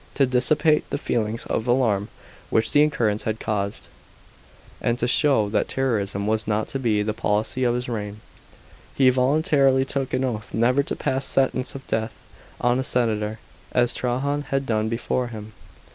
To dissipate the feelings of alarm which the occurrence had caused, and to show that terrorism was not to be the policy of his reign, he voluntarily took an oath never to pass sentence of death on a senator, as Trajan had done before him.